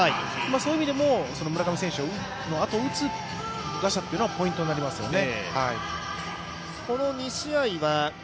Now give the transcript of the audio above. そういう意味でも村上選手のあとを打つ打者というのはポイントになりますよね。